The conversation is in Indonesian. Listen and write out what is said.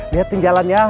lihat di jalannya